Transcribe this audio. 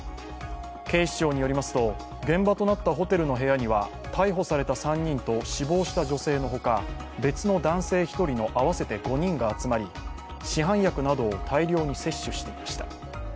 警視庁によりますと、現場となったホテルの部屋には逮捕された３人と死亡した女性のほか別の男性１人の合わせて５人が集まり、市販薬などを大量に摂取していました。